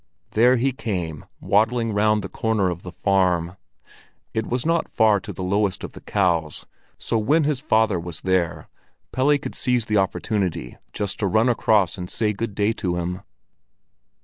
There he came, waddling round the corner of the farm. It was not far to the lowest of the cows, so when his father was there, Pelle could seize the opportunity just to run across and say good day to him.